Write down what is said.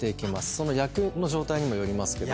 その役の状態にもよりますけど。